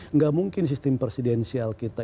nggak mungkin sistem presidensial kita